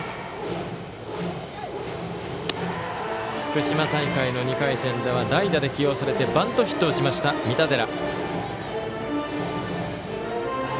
福島大会の２回戦では代打で起用されてバントヒットを打ちました三田寺。